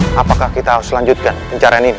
hai apakah kita harus lanjutkan pencarian ini